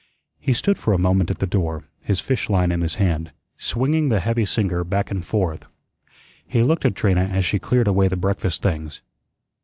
He stood for a moment at the door, his fish line in his hand, swinging the heavy sinker back and forth. He looked at Trina as she cleared away the breakfast things.